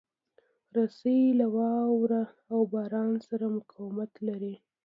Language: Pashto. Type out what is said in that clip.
رسۍ له واوره او باران سره مقاومت لري.